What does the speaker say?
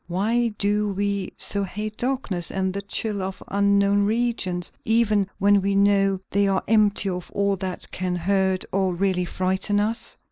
Why do we so hate darkness and the chill of unknown regions, even when we know they are empty of all that can hurt or really frighten us?